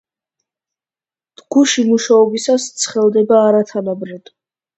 დგუში მუშაობისას ცხელდება არათანაბრად.